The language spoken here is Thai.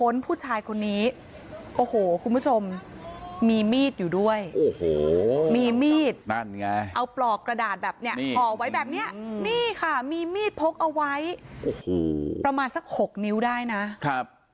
นี่ค่ะมีมีดพกเอาไว้โอ้โหประมาณสักหกนิ้วได้นะครับ